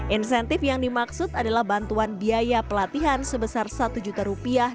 insentif yang dimaksud adalah bantuan biaya pelatihan sebesar satu juta rupiah